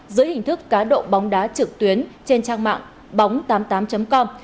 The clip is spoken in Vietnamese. dưới hình thức cá độ bóng đá trực tuyến trên trang mạng bóng tám mươi tám com